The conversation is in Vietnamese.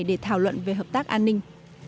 để thảo luận về hợp tác an ninh